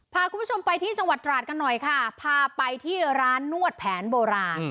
พาคุณผู้ชมไปที่จังหวัดตราดกันหน่อยค่ะพาไปที่ร้านนวดแผนโบราณ